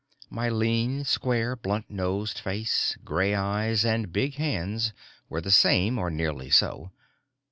My lean, square, blunt nosed face, gray eyes, and big hands were the same or nearly so.